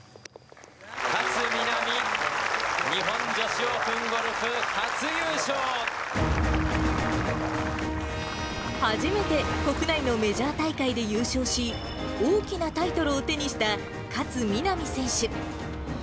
勝みなみ、初めて国内のメジャー大会で優勝し、大きなタイトルを手にした勝みなみ選手。